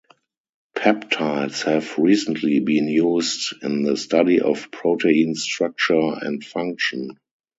Peptides have recently been used in the study of protein structure and function.